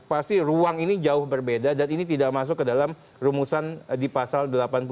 pasti ruang ini jauh berbeda dan ini tidak masuk ke dalam rumusan di pasal delapan puluh